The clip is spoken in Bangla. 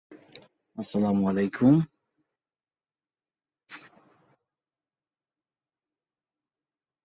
এখানকার ইতিহাসে সাংস্কৃতিক চর্চা বেশ গুরুত্বপূর্ণ ভূমিকা পালন ও সমৃদ্ধি লাভ করেছে।